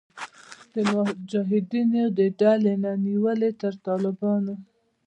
د مجاهدینو د ډلو نه نیولې تر طالبانو